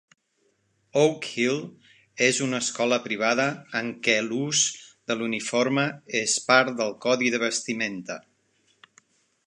Oak Hill és una escola privada en què l'ús de l'uniforme és part del codi de vestimenta.